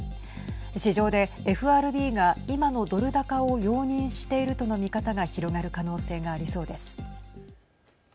市場でＦＲＢが今のドル高を容認しているとの見方が広がる可能性がありそうです。